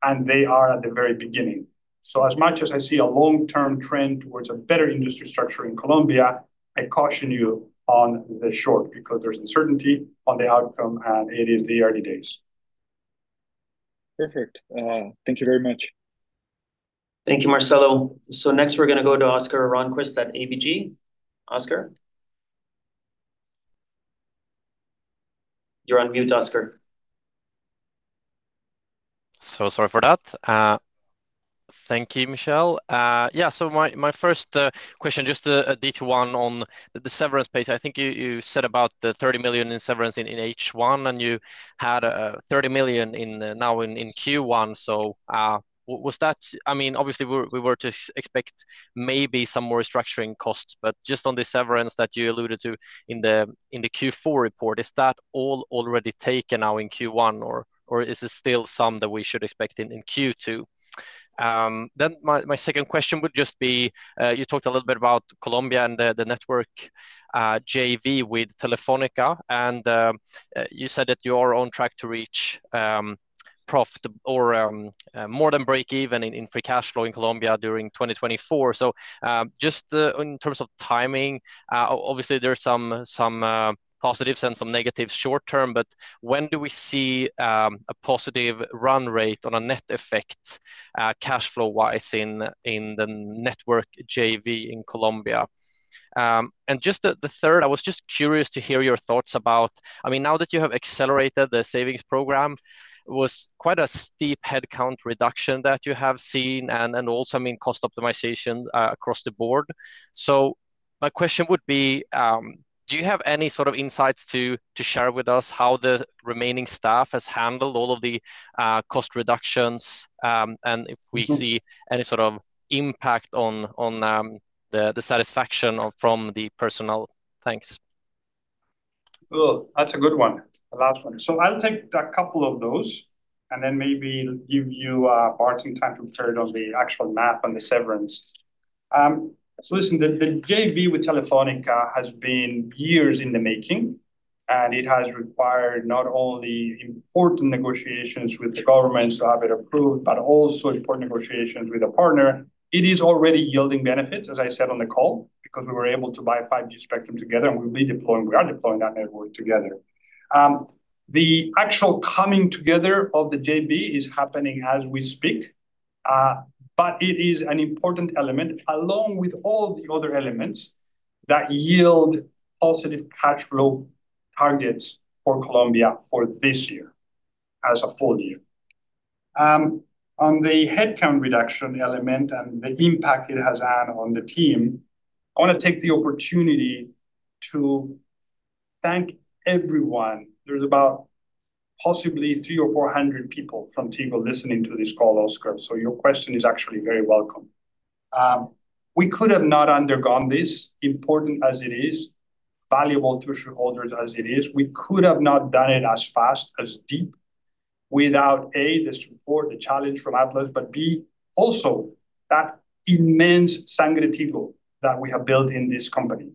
And they are at the very beginning. So as much as I see a long-term trend towards a better industry structure in Colombia, I caution you on the short because there's uncertainty on the outcome, and it is the early days. Perfect. Thank you very much. Thank you, Marcelo. So next, we're going to go to Oscar Rönnkvist at ABG. Oscar? You're on mute, Oscar. So sorry for that. Thank you, Michel. Yeah, so my first question, just a detail one on the severance pays. I think you said about the $30 million in severance in H1, and you had $30 million now in Q1. So was that, I mean, obviously, we were to expect maybe some more restructuring costs. But just on the severance that you alluded to in the Q4 report, is that all already taken now in Q1, or is it still some that we should expect in Q2? Then my second question would just be: you talked a little bit about Colombia and the network JV with Telefónica, and you said that you are on track to reach profit or more than breakeven in free cash flow in Colombia during 2024. So just in terms of timing, obviously, there's some positives and some negatives short term. But when do we see a positive run rate on a net effect cash flow-wise in the network JV in Colombia? And just the third, I was just curious to hear your thoughts about, I mean, now that you have accelerated the savings program, it was quite a steep headcount reduction that you have seen and also, I mean, cost optimization across the board. So my question would be: do you have any sort of insights to share with us how the remaining staff has handled all of the cost reductions and if we see any sort of impact on the satisfaction from the personnel? Thanks. Well, that's a good one, the last one. So I'll take a couple of those, and then maybe give you parts in time to refer to the actual map and the severance. So listen, the JV with Telefónica has been years in the making. It has required not only important negotiations with the government to have it approved, but also important negotiations with a partner. It is already yielding benefits, as I said on the call, because we were able to buy 5G spectrum together, and we'll be deploying, we are deploying that network together. The actual coming together of the JV is happening as we speak. It is an important element, along with all the other elements, that yield positive cash flow targets for Colombia for this year as a full year. On the headcount reduction element and the impact it has had on the team, I want to take the opportunity to thank everyone. There's about possibly 300 or 400 people from Tigo listening to this call, Oscar. So your question is actually very welcome. We could have not undergone this, important as it is, valuable to shareholders as it is. We could have not done it as fast, as deep, without A, the support, the challenge from Atlas, but B, also that immense Sangre Tigo that we have built in this company.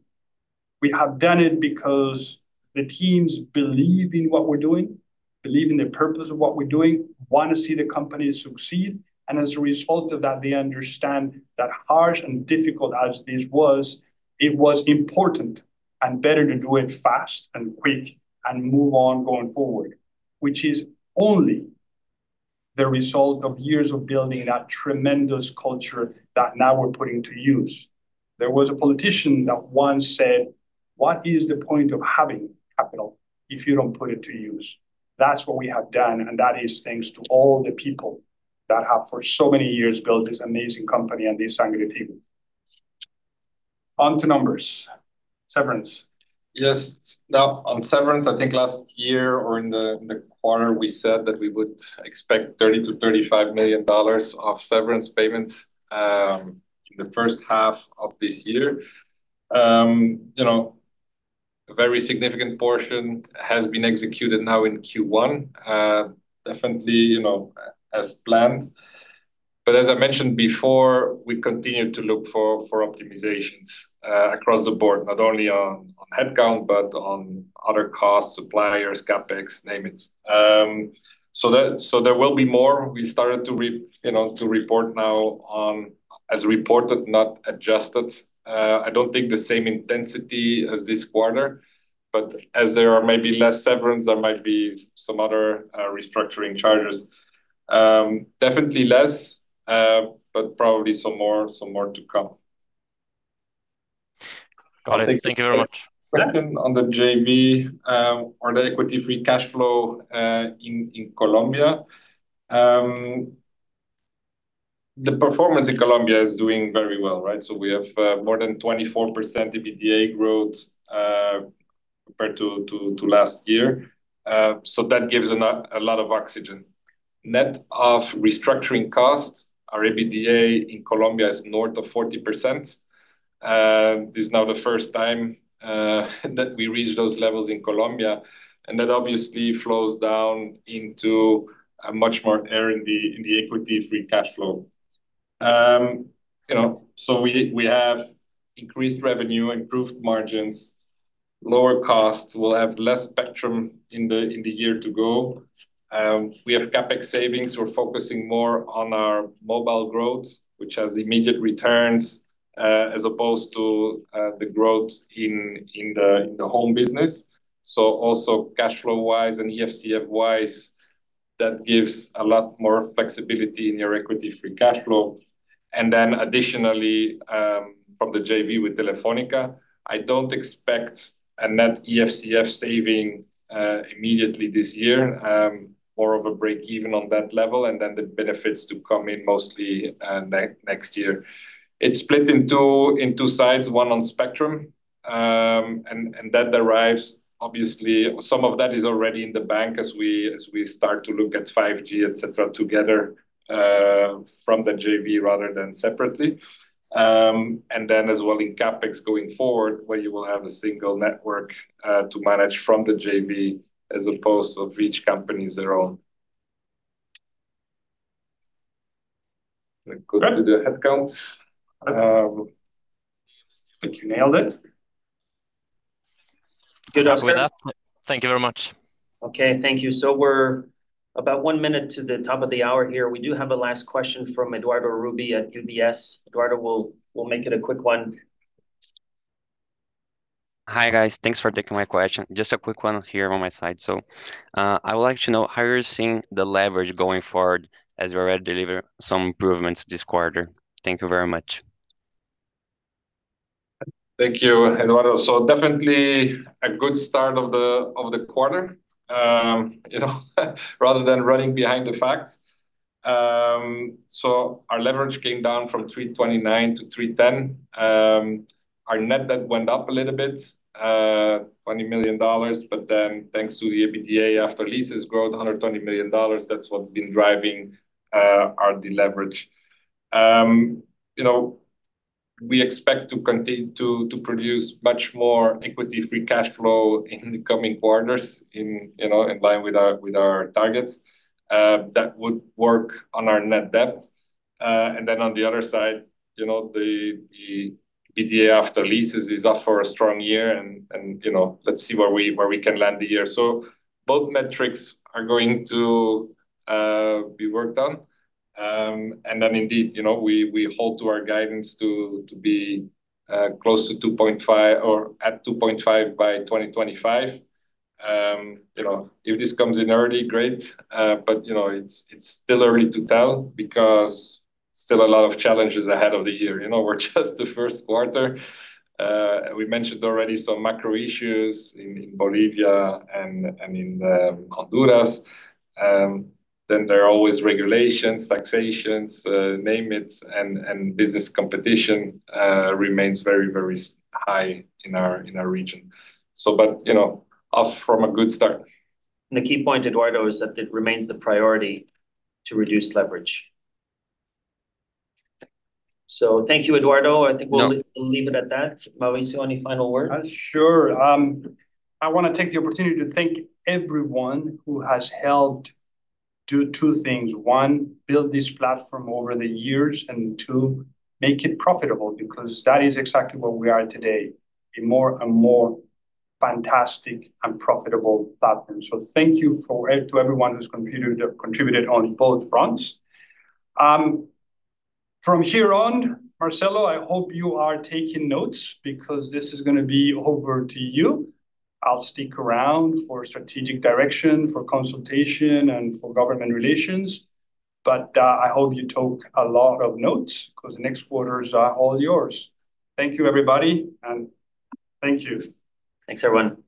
We have done it because the teams believe in what we're doing, believe in the purpose of what we're doing, want to see the company succeed. As a result of that, they understand that harsh and difficult as this was, it was important and better to do it fast and quick and move on going forward, which is only the result of years of building that tremendous culture that now we're putting to use. There was a politician that once said, "What is the point of having capital if you don't put it to use?" That's what we have done. That is thanks to all the people that have for so many years built this amazing company and this Sangre Tigo. On to numbers, severance. Yes. Now, on severance, I think last year or in the quarter, we said that we would expect $30 million-$35 million of severance payments in the first half of this year. A very significant portion has been executed now in Q1, definitely as planned. But as I mentioned before, we continue to look for optimizations across the board, not only on headcount, but on other costs, suppliers, CapEx, name it. So there will be more. We started to report now as reported, not adjusted. I don't think the same intensity as this quarter. But as there are maybe less severance, there might be some other restructuring charges. Definitely less, but probably some more to come. Got it. Thank you very much. Second on the JV, or the Equity Free Cash Flow in Colombia. The performance in Colombia is doing very well, right? So we have more than 24% EBITDA growth compared to last year. So that gives a lot of oxygen. Net of restructuring costs, our EBITDA in Colombia is north of 40%. This is now the first time that we reached those levels in Colombia. And that obviously flows down into much more air in the Equity Free Cash Flow. So we have increased revenue, improved margins, lower costs. We'll have less spectrum in the year to go. We have CapEx savings. We're focusing more on our mobile growth, which has immediate returns, as opposed to the growth in the home business. So also cash flow-wise and EFCF-wise, that gives a lot more flexibility in your Equity Free Cash Flow. Then additionally, from the JV with Telefónica, I don't expect a net EFCF saving immediately this year, more of a breakeven on that level, and then the benefits to come in mostly next year. It's split into sides, one on spectrum. That derives, obviously, some of that is already in the bank as we start to look at 5G, etc., together from the JV rather than separately. Then as well in CapEx going forward, where you will have a single network to manage from the JV, as opposed to each company's their own. Good to do the headcounts. Thank you. Nailed it. Good, Oscar. Thank you very much. Okay, thank you. So we're about one minute to the top of the hour here. We do have a last question from Eduardo Rubí at UBS. Eduardo, we'll make it a quick one. Hi, guys. Thanks for taking my question. Just a quick one here on my side. I would like to know, how are you seeing the leverage going forward as we already delivered some improvements this quarter? Thank you very much. Thank you, Eduardo. Definitely a good start of the quarter, rather than running behind the facts. Our leverage came down from 329 to 310. Our net debt went up a little bit, $20 million. But thanks to the EBITDA after leases growth, $120 million, that's what's been driving our leverage. We expect to continue to produce much more Equity Free Cash Flow in the coming quarters in line with our targets. That would work on our net debt. On the other side, the EBITDA after leases is off for a strong year. Let's see where we can land the year. Both metrics are going to be worked on. Indeed, we hold to our guidance to be close to 2.5 or at 2.5 by 2025. If this comes in early, great. But it's still early to tell because still a lot of challenges ahead of the year. We're just the first quarter. We mentioned already some macro issues in Bolivia and in Honduras. Then there are always regulations, taxations, name it. And business competition remains very, very high in our region. But off from a good start. The key point, Eduardo, is that it remains the priority to reduce leverage. Thank you, Eduardo. I think we'll leave it at that. Mauricio, any final words? Sure. I want to take the opportunity to thank everyone who has helped do two things. One, build this platform over the years, and two, make it profitable because that is exactly where we are today, a more and more fantastic and profitable platform. So thank you to everyone who's contributed on both fronts. From here on, Marcelo, I hope you are taking notes because this is going to be over to you. I'll stick around for strategic direction, for consultation, and for government relations. But I hope you took a lot of notes because the next quarters are all yours. Thank you, everybody. Thank you. Thanks, everyone.